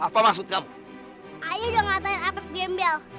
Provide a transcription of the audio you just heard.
oh pt soekarno santun